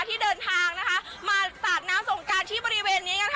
ที่เดินทางนะคะมาสาดน้ำส่งการที่บริเวณนี้กันค่ะ